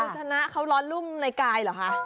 ชาวโมธนาเขาร้อนรุ่มในกายเหรอคะ